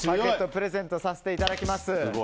プレゼントさせていただきます。